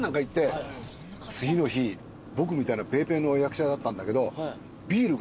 次の日僕みたいなペーペーの役者だったんだけど。